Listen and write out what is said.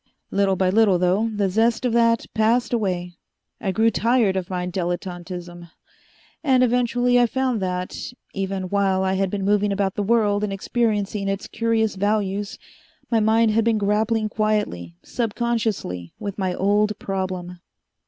"Little by little, though, the zest of that passed away. I grew tired of my dilettantism. And eventually I found that, even while I had been moving about the world and experiencing its curious values, my mind had been grappling quietly, subconsciously, with my old problem.